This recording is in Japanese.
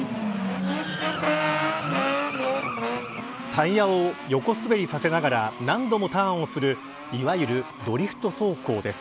タイヤを横滑りさせながら何度もターンするいわゆるドリフト走行です。